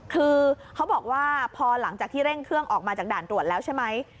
คือเขาบอกว่าพอหลังจากที่เร่งเครื่องออกมาจากด่านตรวจแล้วใช่ไหม